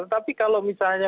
tapi kalau misalnya